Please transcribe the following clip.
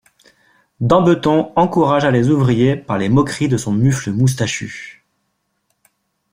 Dambeton encouragea les ouvriers par les moqueries de son mufle moustachu.